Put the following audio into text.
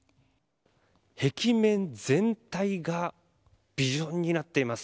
壁面全体がビジョンになっています。